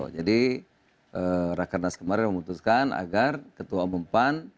jadi rakan nas kemarin memutuskan agar ketua umum pan